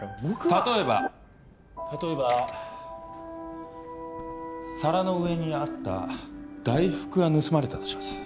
例えば例えば皿の上にあった大福が盗まれたとします